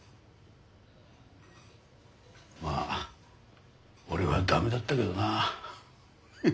まあ俺は駄目だったけどなフフフ。